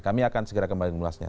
kami akan segera kembali mengulasnya